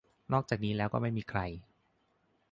นอกจากนี้แล้วก็ไม่มีใคร